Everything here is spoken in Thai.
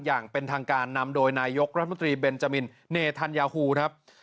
อย่างเป็นทางการนำโดยนายกรัฐมนตรีเบนจามินเนธัญญาฮูครับ